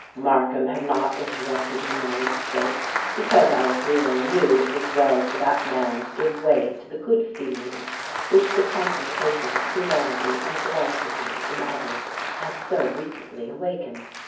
Markham had not interrupted him while he spoke, because our hero knew that it was well for that man to give way to the good feelings which the contemplation of humanity and philanthropy in others had so recently awakened.